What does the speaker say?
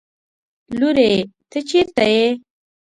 لورې! ته چېرې يې؟